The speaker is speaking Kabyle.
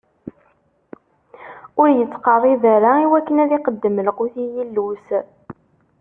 Ur ittqerrib ara iwakken ad iqeddem lqut n Yillu-is.